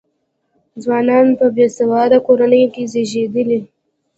ځوانان په بې سواده کورنیو کې زېږېدل.